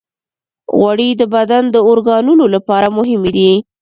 غوړې د بدن د اورګانونو لپاره مهمې دي.